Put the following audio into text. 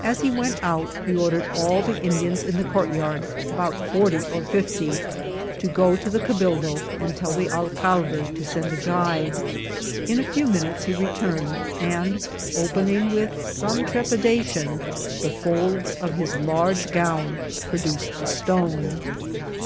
As he went out he ordered all the Indians in the courtyard, about forty or fifty, to go to the cabildo and tell the alcalde to send the guide. In a few minutes he returned, and opening with some trepidation the folds of his large gown, produced the stone.